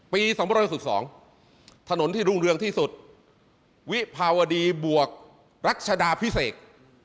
๒๖๒ถนนที่รุ่งเรืองที่สุดวิภาวดีบวกรัชดาพิเศษ